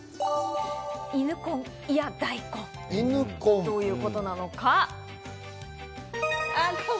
犬根いや大根、どういうことなのか。